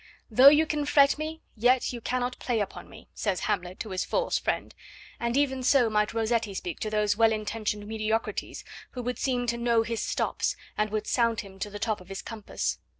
'Though you can fret me, yet you cannot play upon me,' says Hamlet to his false friend, and even so might Rossetti speak to those well intentioned mediocrities who would seem to know his stops and would sound him to the top of his compass.